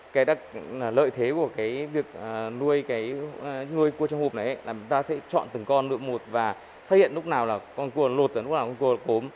cái lợi thế của việc nuôi cua trong hộp này là chúng ta sẽ chọn từng con lột một và phát hiện lúc nào là con cua lột và lúc nào là con cua cốm